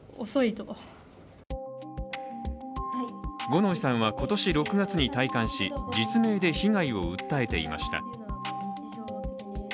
五ノ井さんは今年６月に退官し、実名で被害を訴えていました。